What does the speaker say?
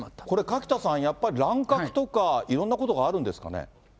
これ垣田さん、やっぱり乱獲とか、いろんなことがあるんですかね。